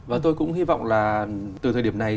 và tôi cũng hy vọng là từ thời điểm này